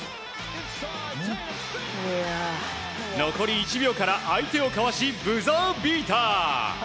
残り１秒から相手をかわしブザービーター！